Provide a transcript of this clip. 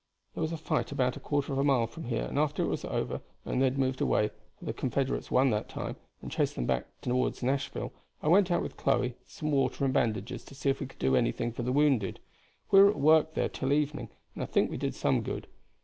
There was a fight about a quarter of a mile from here and after it was over and they had moved away, for the Confederates won that time and chased them back toward Nashville, I went out with Chloe with some water and bandages to see if we could do anything for the wounded. We were at work there till evening, and I think we did some good.